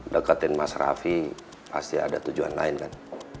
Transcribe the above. deketin mas raffi pasti ada tujuan lain kan